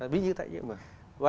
ví như thế mà